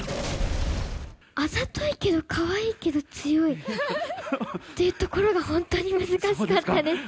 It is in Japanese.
あざといけど、かわいいけど、強いっていうところが本当に難しかったです。